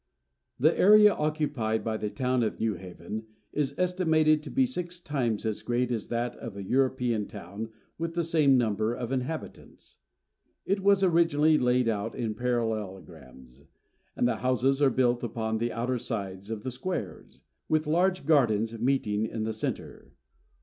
The area occupied by the town of New Haven is estimated to be six times as great as that of a European town with the same number of inhabitants. It was originally laid out in parallelograms, and the houses are built upon the outer sides of the squares, with large gardens meeting in the centre.